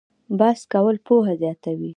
بحث کول پوهه زیاتوي